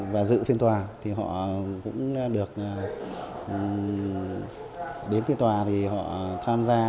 và dự phiên tòa thì họ cũng được đến phiên tòa thì họ tham gia